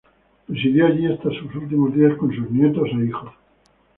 Residió allí hasta sus últimos días con sus nietos e hijos.